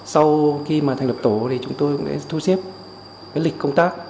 sau khi mà thành lập tổ thì chúng tôi cũng đã thu xếp lịch công tác